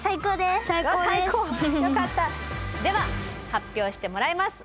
では発表してもらいます。